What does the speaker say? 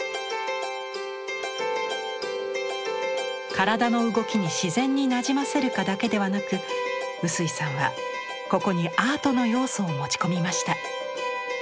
体の動きに自然になじませるかだけではなく臼井さんはここにアートの要素を持ち込みました。